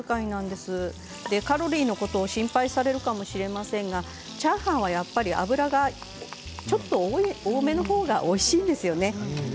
カロリーのことを心配するかもしれませんがチャーハンは油がちょっと多めの方がおいしいんですよね。